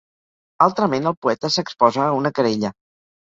Altrament, el poeta s'exposa a una querella.